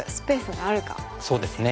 そうですね。